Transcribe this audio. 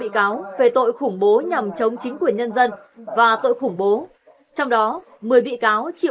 có trình độ học vấn thấp nhận thức hạn chế